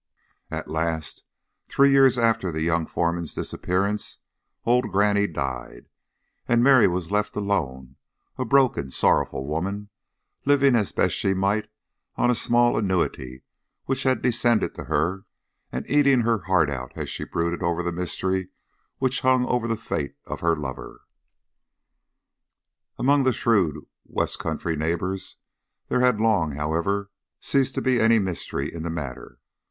At last, three years after the young foreman's disappearance, old granny died, and Mary was left alone, a broken sorrowful woman, living as best she might on a small annuity which had descended to her, and eating her heart out as she brooded over the mystery which hung over the fate of her lover. Among the shrewd west country neighbours there had long, however, ceased to be any mystery in the matter.